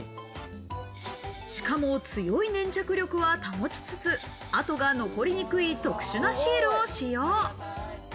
しかも強い粘着力は保ちつつ、跡が残りにくい特殊なシールを使用。